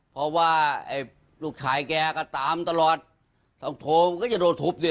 เพราะว่าไอ้ลูกชายแกก็ตามตลอดสองโพลมันก็จะโดนทุบดิ